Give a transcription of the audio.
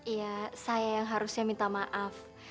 iya saya yang harusnya minta maaf